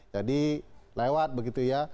jadi lewat begitu ya